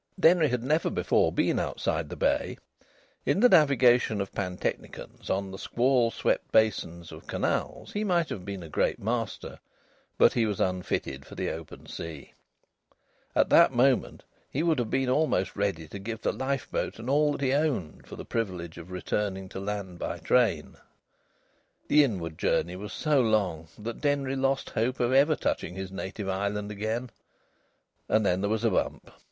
Denry had never before been outside the bay. In the navigation of pantechnicons on the squall swept basins of canals he might have been a great master, but he was unfitted for the open sea. At that moment he would have been almost ready to give the lifeboat and all that he owned for the privilege of returning to land by train. The inward journey was so long that Denry lost hope of ever touching his native island again. And then there was a bump.